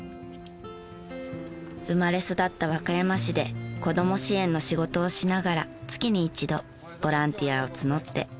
生まれ育った和歌山市で子ども支援の仕事をしながら月に一度ボランティアを募って地域の掃除を行っています。